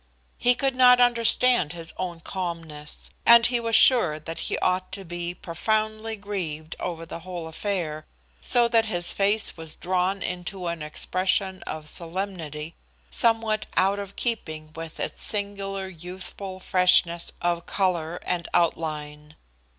He could not understand his own calmness, and he was sure that he ought to be profoundly grieved over the whole affair, so that his face was drawn into an expression of solemnity somewhat out of keeping with its singular youthful freshness of color and outline.